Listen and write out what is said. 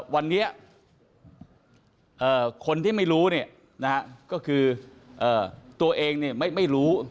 วันนี้คนที่ไม่รู้ก็คือตัวเองไม่รู้